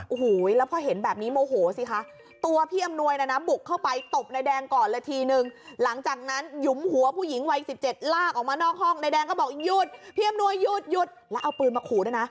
โอ้โหแล้วพอเห็นแบบนี้โมโหสิคะตัวพี่อำนวยนะนะบุกเข้าไปตบนายแดงก่อนเลยทีนึงหลังจากนั้นหยุมหัวผู้หญิงวัย๑๗ลากออกมานอกห้องนายแดงก็บอกอีกหยุดพี่อำนวยหยุดหยุดแล้วเอาปืนมาขู่ด้วยนะ